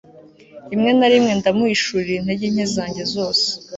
Rimwe na rimwe ndamuhishurira intege nke zanjye zose